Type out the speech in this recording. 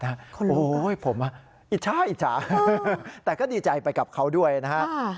โอ้โฮผมอิจฉาแต่ก็ดีใจไปกับเขาด้วยนะครับ